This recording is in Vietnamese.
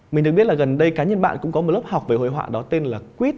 mình được biết là gần đây cá nhân bạn cũng có một lớp học về hội họa đó tên là quýt